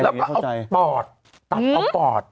แล้วก็เอาปอดตัดเอาปอด